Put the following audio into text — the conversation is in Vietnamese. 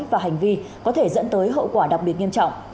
và hành vi có thể dẫn tới hậu quả đặc biệt nghiêm trọng